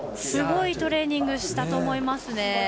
すごいトレーニングしたと思いますね。